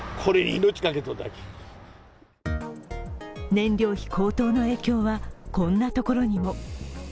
燃料費高騰の影響はこんなところにも。